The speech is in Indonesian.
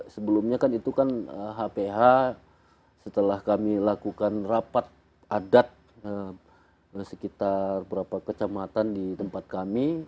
sebelumnya kan itu kan hph setelah kami lakukan rapat adat sekitar berapa kecamatan di tempat kami